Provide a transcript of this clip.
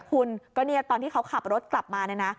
คุณก็เนี่ยตอนที่เขาขับรถกลับมาเนี่ยนะ